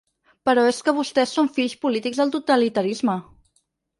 Però és que vostès són fills polítics del totalitarisme.